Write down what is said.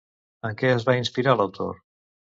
En què es va inspirar l'autor?